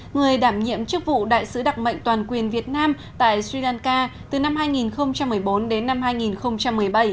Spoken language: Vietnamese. người đảm nhiệm chức vụ đại sứ đặc mệnh toàn quyền việt nam tại sri lanka từ năm hai nghìn một mươi bốn đến năm hai nghìn một mươi bảy